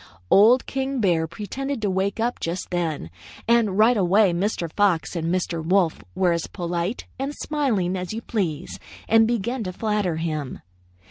"Old King Bear pretended to wake up just then, and right away Mr. Fox and Mr. Wolf were as polite and smiling as you please and began to flatter him.